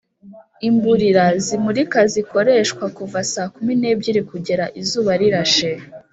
imburira zimurika zikoreshwa kuva sakumi n’ebyiri kugera izuba rirashe